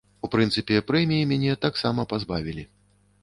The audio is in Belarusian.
У прынцыпе, прэміі мяне таксама пазбавілі.